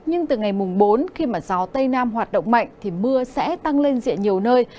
nhưng từ ngày bốn khi gió tây nam hoạt động mạnh thì mưa sẽ tăng lên diện nhiều nơi